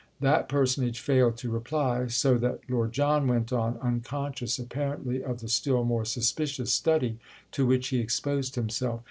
That personage failed to reply, so that Lord John went on, unconscious apparently of the still more suspicious study to which he exposed himself.